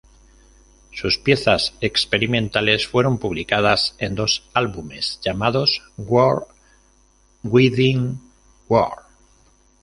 Sus piezas experimentales fueron publicadas en dos álbumes, llamados "World Within Worlds".